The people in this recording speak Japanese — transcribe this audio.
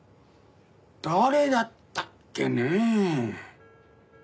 誰だったっけねえ。